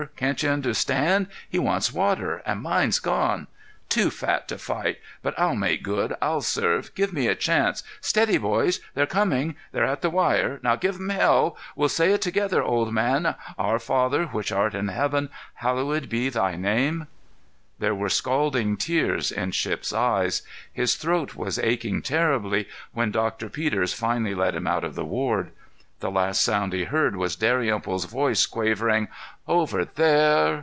Can't you understand? He wants water, and mine's gone. Too fat to fight! But I'll make good; I'll serve. Give me a chance—Steady, boys! They're coming. They're at the wire. Now give 'em hell! We'll say it together, old man: 'Our Father which art in heaven, hallowed be thy name—'" There were scalding tears in Shipp's eyes; his throat was aching terribly when Doctor Peters finally led him out of the ward. The last sound he heard was Dalrymple's voice quavering: "Over there!